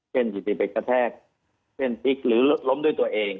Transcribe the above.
อยู่ดีไปกระแทกเส้นพลิกหรือล้มด้วยตัวเอง